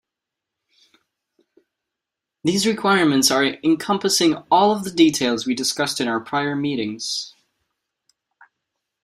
These requirements are encompassing all of the details we discussed in our prior meetings.